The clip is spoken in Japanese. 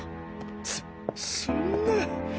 そそんな。